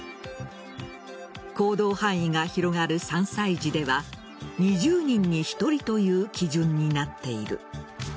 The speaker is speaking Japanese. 行動範囲が広がる３歳児では２０人に１人という基準になっている。